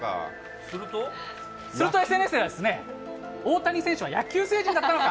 するとＳＮＳでは、太田選手は野球星人だったのか！